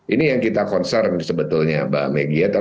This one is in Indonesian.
ini yang kita concern sebetulnya mbak megi